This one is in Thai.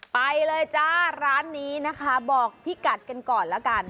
ไปเลยจ้าร้านนี้นะคะบอกพี่กัดกันก่อนแล้วกัน